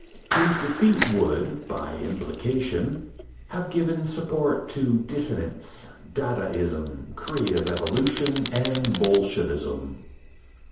His defeat would, by implication, have given support to dissonance, dadaism, creative evolution and bolshevism.